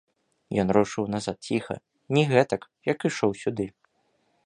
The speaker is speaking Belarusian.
Ён рушыў назад ціха, не гэтак, як ішоў сюды.